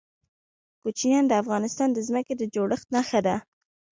کوچیان د افغانستان د ځمکې د جوړښت نښه ده.